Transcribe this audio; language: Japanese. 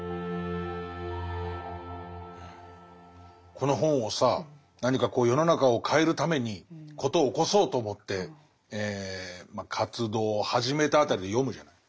この本をさ何かこう世の中を変えるために事を起こそうと思って活動を始めた辺りで読むじゃない。